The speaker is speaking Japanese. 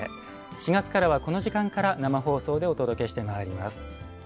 ４月からは、この時間から生放送でお届けしてまいります。